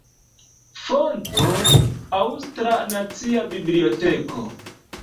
Fonto: Aŭstra Nacia Biblioteko.